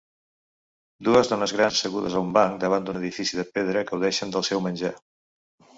Dues dones grans assegudes a un banc davant d'un edifici de pedra gaudeixen del seu menjar.